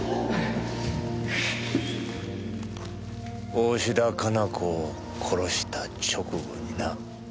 大信田加奈子を殺した直後にな。